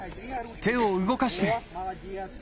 手を動かして。